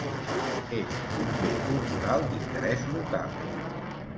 És un Bé Cultural d'Interès Local.